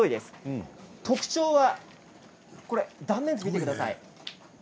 特徴は断面図を見てください。